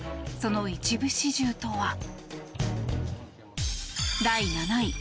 その一部始終とは。